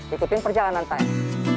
ikutin perjalanan saya